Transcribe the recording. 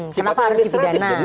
kenapa harus dipidana